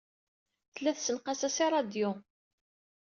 Tella tessenqas-as i ṛṛadyu.